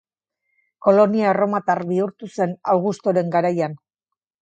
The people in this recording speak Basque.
Kolonia erromatar bihurtu zen Augustoren garaian.